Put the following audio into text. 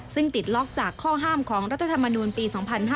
ซึ่งติดล็อกจากข้อห้ามของรัฐธรรมนูลปี๒๕๕๙